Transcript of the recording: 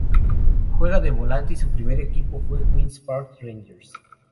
Juega de volante y su primer equipo fue Queens Park Rangers.